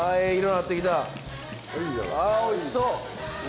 あおいしそう！